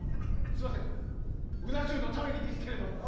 すみませんうな重のためにですけど。